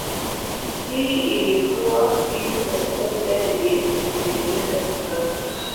Hii ilikuwa hivyo kwa sababu dada ndiye anayeendeleza ukoo